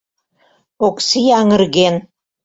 Окси аҥырген...